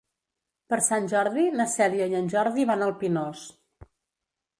Per Sant Jordi na Cèlia i en Jordi van al Pinós.